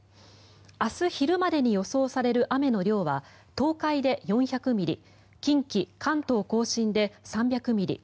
明日昼までに予想される雨の量は東海で４００ミリ近畿、関東・甲信で３００ミリ